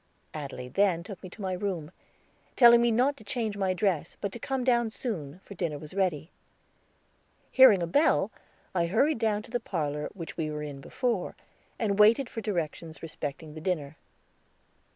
Adelaide then took me to my room, telling me not to change my dress, but to come down soon, for dinner was ready. Hearing a bell, I hurried down to the parlor which we were in before, and waited for directions respecting the dinner.